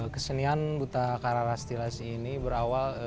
kesenian buta kararastilas ini berawal